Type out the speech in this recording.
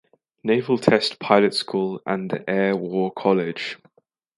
Naval Test Pilot School and the Air War College.